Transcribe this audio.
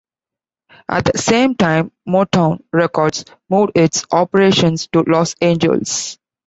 At the same time, Motown Records moved its operations to Los Angeles.